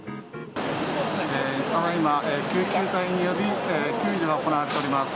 今、救急隊による救助が行われております。